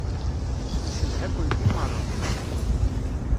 Ncedha-kent i meṛṛa.